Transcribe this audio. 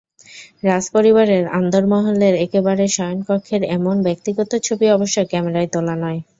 রাজপরিবারের অন্দরমহলের একেবারে শয়নকক্ষের এমন ব্যক্তিগত ছবি অবশ্য ক্যামেরায় তোলা নয়।